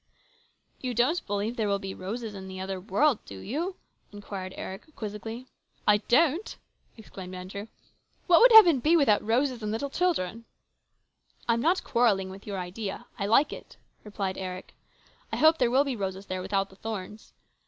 " You don't believe there will be roses in the other world, do you ?" inquired Eric quizzically. " I don't ?" exclaimed Andrew. " What would heaven be without roses and little children ?"" I'm not quarrelling with your idea. I like it," replied Eric. " I hope there will be roses there without the thorns.